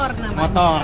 ini pengaruh warungnya